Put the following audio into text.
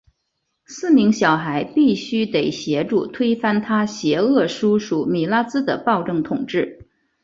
四名小孩必须得协助推翻他邪恶叔叔米拉兹的暴政统治。